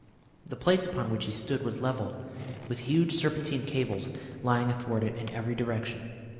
The place upon which he stood was level, with huge serpentine cables lying athwart it in every direction.